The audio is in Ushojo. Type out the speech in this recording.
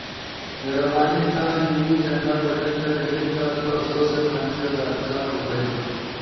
مہربانی تھا یو ای جھنڈا بٹن جا کلک تھا۔ تو آسو ست انیس در رابطہ تھو بئیلا۔